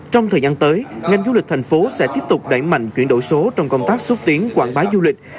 trong thời gian tới ngành du lịch thành phố sẽ tiếp tục đẩy mạnh chuyển đổi số trong công tác xúc tiến quảng bá du lịch